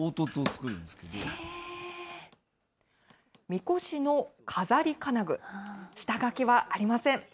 みこしのかざり金具、下書きはありません。